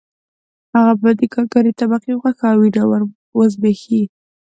هغوی به د کارګرې طبقې غوښه او وینه وزبېښي